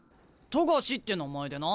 冨樫って名前でな